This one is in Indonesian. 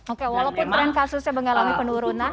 oke walaupun tren kasusnya mengalami penurunan